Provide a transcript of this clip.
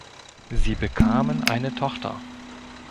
Sie bekamen eine Tochter.